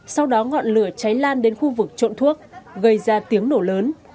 sau đó ngọn lửa cháy lan đến khu vực trộn thuốc gây ra tiếng nổ lớn